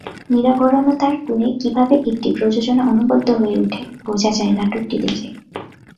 নিরাভরণতার গুণে কীভাবে একটি প্রযোজনা অনবদ্য হয়ে ওঠে, বোঝা যায় নাটকটি দেখে।